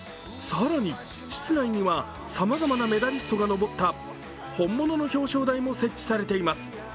更に室内にはさまざまなメダリストが上った本物の表彰台も設置されています。